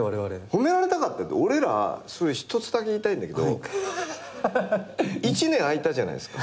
褒められたかったって俺ら一つだけ言いたいんだけど１年空いたじゃないですか。